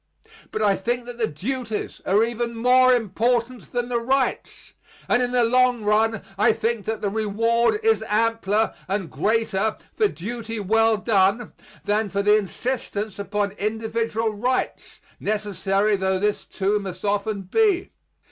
But I think that the duties are even more important than the rights; and in the long run I think that the reward is ampler and greater for duty well done, than for the insistence upon individual rights, necessary tho this, too, must often be.